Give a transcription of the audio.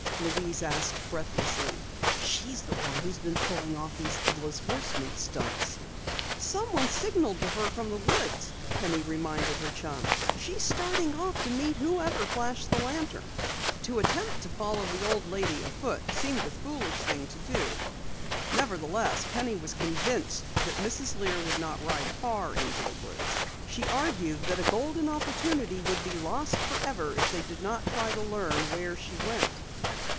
Louise asked breathlessly. "She's the one who's been pulling off these Headless Horseman stunts!" "Someone signaled to her from the woods," Penny reminded her chum. "She's starting off to meet whoever flashed the lantern!" To attempt to follow the old lady afoot seemed a foolish thing to do. Nevertheless, Penny was convinced that Mrs. Lear would not ride far into the woods. She argued that a golden opportunity would be lost forever if they did not try to learn where she went.